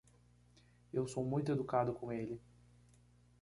Eu sou muito educado com ele.